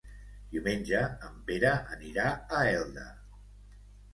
Diumenge en Pere anirà a Elda.